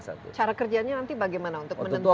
cara kerjanya nanti bagaimana untuk menentukan